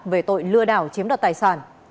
về tội lừa đảo chiếm đoạt tài sản